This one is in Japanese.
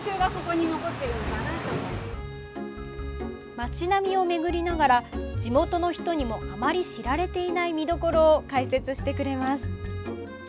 街並みを巡りながら地元の人にもあまり知られていない見どころを解説してくれます。